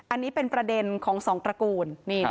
อันนี้เป็นประเด็นของสองตระกูล